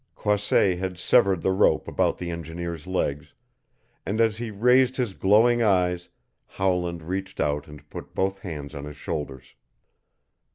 Croisset had severed the rope about the engineer's legs, and as he raised his glowing eyes Howland reached out and put both hands on his shoulders.